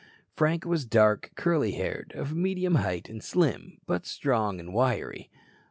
Frank was dark, curly haired, of medium height and slim, but strong and wiry.